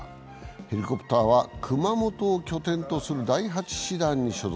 ヘリコプターは熊本を拠点とする第８師団に所属。